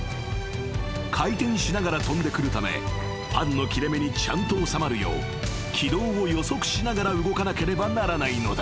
［回転しながら飛んでくるためパンの切れ目にちゃんと収まるよう軌道を予測しながら動かなければならないのだ］